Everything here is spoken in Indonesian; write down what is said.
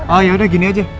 oh yaudah gini aja